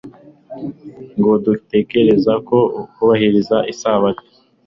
no gutekereza ko kubahiriza Isabato